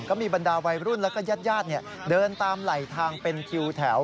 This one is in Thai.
บรรดาวัยรุ่นแล้วก็ญาติเดินตามไหลทางเป็นคิวแถว